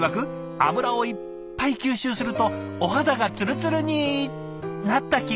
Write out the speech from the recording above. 油をいっぱい吸収するとお肌がつるつるになった気がするんですって。